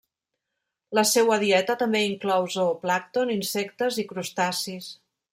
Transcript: La seua dieta també inclou zooplàncton, insectes i crustacis.